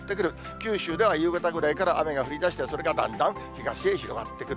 九州では夕方ぐらいから雨が降りだしてそれがだんだん東へ広がってくる。